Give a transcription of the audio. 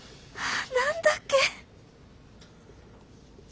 何だっけ。